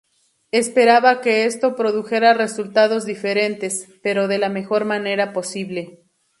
Esperaba que esto "produjera resultados diferentes, pero de la mejor manera posible".